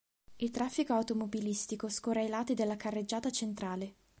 Il traffico automobilistico scorre ai lati della carreggiata centrale.